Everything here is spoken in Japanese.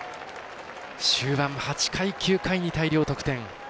終盤８回、９回に大量得点。